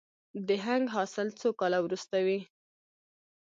د هنګ حاصل څو کاله وروسته وي؟